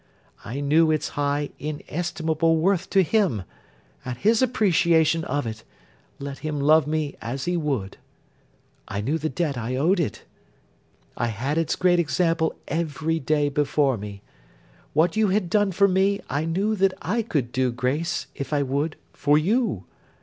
I knew its high, inestimable worth to him, and his appreciation of it, let him love me as he would. I knew the debt I owed it. I had its great example every day before me. What you had done for me, I knew that I could do, Grace, if I would, for you.